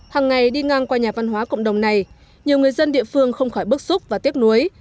hàng ngày đi ngang qua nhà văn hóa cộng đồng này nhiều người dân địa phương không khỏi bức xúc và tiếc nuối